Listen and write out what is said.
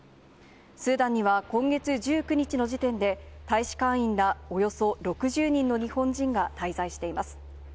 スーダンには今月１９日の時点で、大使館員らおよそ６０人の日本人が滞在しています。